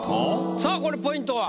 さあこれポイントは？